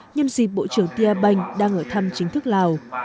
nhân dịp bộ trưởng tia banh đang ở thăm chính thức lào